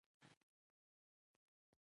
خپله یې افغانستان اشغال کړ